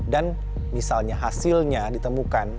dan misalnya hasilnya ditemukan